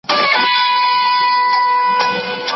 محصل د ليکني وروستۍ نسخه جوړوي.